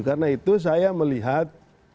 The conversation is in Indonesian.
karena itu saya melihat